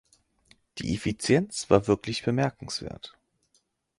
Die Effizienz war wirklich bemerkenswert.